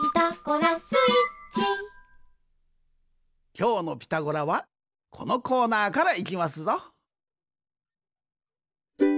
きょうの「ピタゴラ」はこのコーナーからいきますぞ。